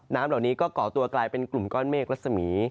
เหล่านี้ก็ก่อตัวกลายเป็นกลุ่มก้อนเมฆรัศมี